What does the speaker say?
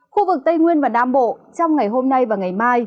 khu vực tây nguyên và nam bộ trong ngày hôm nay và ngày mai